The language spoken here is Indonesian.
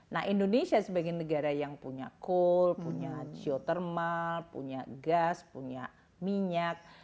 nah indonesia sebagai negara yang punya coal punya geothermal punya gas punya minyak